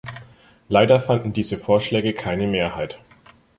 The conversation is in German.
Leider fanden diese Vorschläge keine Mehrheit.